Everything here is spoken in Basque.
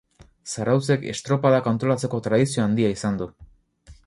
Zarautzek estropadak antolatzeko tradizio handia izan du.